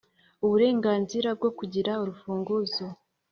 uburenganzira bwo kugira urufunguzo